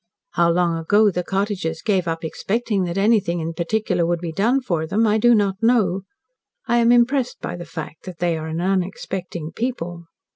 How long ago the cottagers gave up expecting that anything in particular would be done for them, I do not know. I am impressed by the fact that they are an unexpecting people.